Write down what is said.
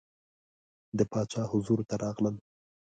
د باچا حضور ته راغلل.